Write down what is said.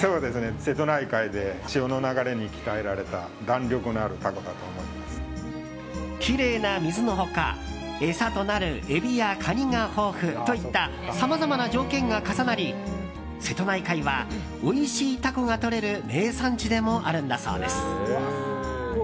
瀬戸内海で潮の流れに鍛えられたきれいな水の他餌となるエビやカニが豊富といったさまざまな条件が重なり瀬戸内海はおいしいタコがとれる名産地でもあるんだそうです。